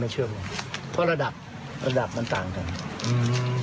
เชื่อผมเพราะระดับระดับมันต่างกันอืม